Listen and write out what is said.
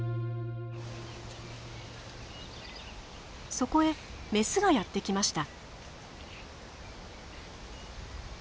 そこへメスがやって来ました。